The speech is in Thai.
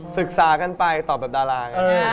ศึกษากันไปตอบแบบดารา